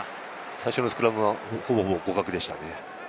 最初のスクラムは、ほぼほぼ互角でしたね。